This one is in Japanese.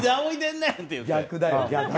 逆だよ、逆。